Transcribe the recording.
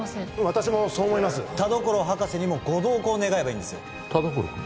私もそう思います田所博士にもご同行願えばいい田所君も？